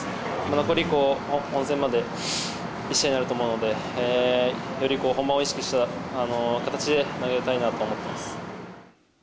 残り本戦まで１試合だと思うので、より、こう本番を意識した形で投げたいなと思ってます。